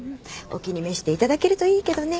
お気に召していただけるといいけどね。